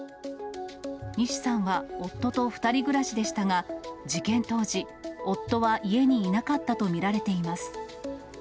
西さんは夫と２人暮らしでしたが、事件当時、夫は家にいなかったと見られています。